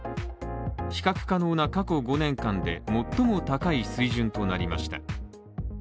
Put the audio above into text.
比較可能な過去５年間で最も高い水準となりました。